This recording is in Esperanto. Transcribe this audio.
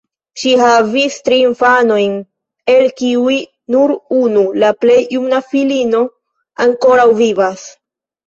Ŝi havis tri infanojn, el kiuj nur unu, la plej juna filino, ankoraŭ vivas.